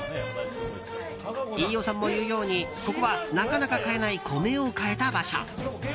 飯尾さんも言うようにここは、なかなか買えない米を買えた場所。